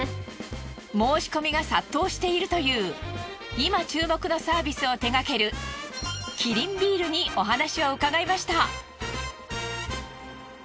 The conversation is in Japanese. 申し込みが殺到しているという今注目のサービスを手掛けるキリンビールにお話をうかがいました。